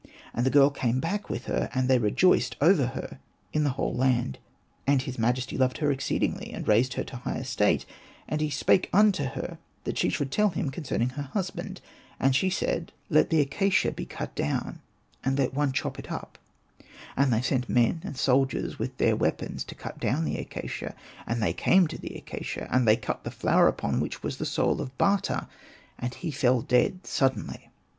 And the girl came back with her, and they rejoiced over her in the whole land. And his majesty loved her exceedingly, and raised her to high estate ; and he spake unto her that she should tell him concerning her husband. And she said, '' Let the acacia Hosted by Google 56 ANPU AND BATA be cut down, and let one chop it up." And they sent men and soldiers with their weapons to cut down the acacia ; and they came to the acacia, and they cut the flower upon which was the soul of Bata, and he fell dead suddenly.